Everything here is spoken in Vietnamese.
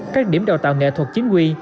các điểm đào tạo nghệ thuật chiến quy